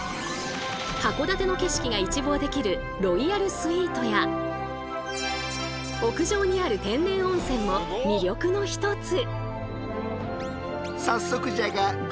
函館の景色が一望できるロイヤルスイートや屋上にある天然温泉も魅力の一つ！